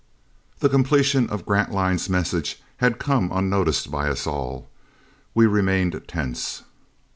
The completion of Grantline's message had come unnoticed by us all. We remained tense.